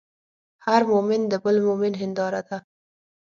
هر مؤمن د بل مؤمن هنداره ده.